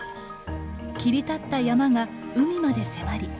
切り立った山が海まで迫り